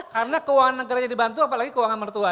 karena keuangan menteranya dibantu apalagi keuangan mertua